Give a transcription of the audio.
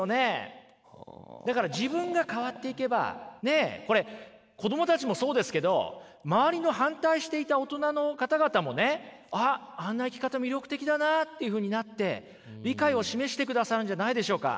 だから自分が変わっていけばこれ子供たちもそうですけど周りの反対していた大人の方々もねあっあんな生き方魅力的だなっていうふうになって理解を示してくださるんじゃないんでしょうか？